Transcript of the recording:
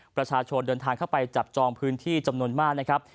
ประชาชนเดินทางเข้าไปจับจองพื้นที่จำนวนมากนะครับ